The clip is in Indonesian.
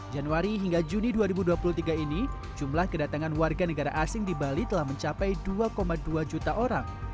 januari hingga juni dua ribu dua puluh tiga ini jumlah kedatangan warga negara asing di bali telah mencapai dua dua juta orang